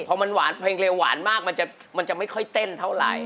เพลงเลวหวานมากมันจะไม่ค่อยเต้นเท่าไร